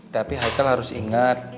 tapi haikal harus ingat